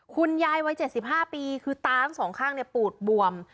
คุณยายวัย๗๕ปีคือตาทั้งสองข้างปูดบวม